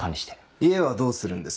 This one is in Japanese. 家はどうするんです？